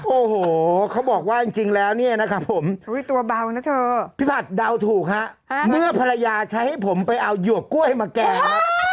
โอ้โหเขาบอกว่าจริงแล้วเนี่ยนะครับผมตัวเบานะเธอพี่ผัดเดาถูกฮะเมื่อภรรยาใช้ให้ผมไปเอาหยวกกล้วยมาแกงครับ